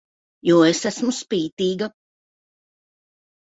Jo es esmu spītīga!